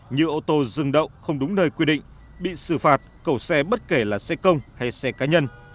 như ô tô dừng đậu không đúng nơi quy định bị xử phạt cẩu xe bất kể là xe công hay xe cá nhân